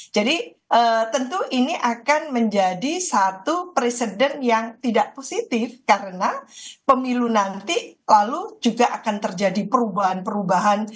jadi tentu ini akan menjadi satu presiden yang tidak positif karena pemilu nanti lalu juga akan terjadi perubahan perubahan